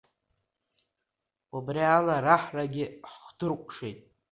Убри ала раҳрагьы хдыркәшеит.